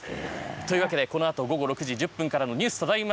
というわけで、このあと午後６時１０分からのニュースただいま